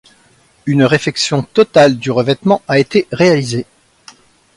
Une réfection totale du revêtement a été réalisée.